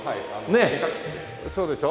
ねっそうでしょ。